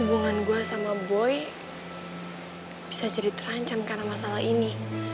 hubungan gue sama boy bisa jadi terancam karena masalah ini